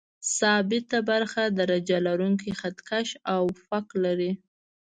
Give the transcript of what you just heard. ثابته برخه یې درجه لرونکی خط کش او فک لري.